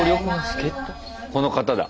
この方だ。